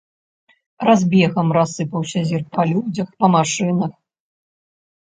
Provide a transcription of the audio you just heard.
Разбегам рассыпаўся зірк па людзях, па машынах.